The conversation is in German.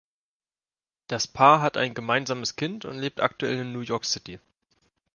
Das Paar hat ein gemeinsames Kind und lebt aktuell in New York City.